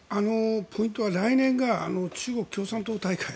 ポイントは来年が中国共産党大会。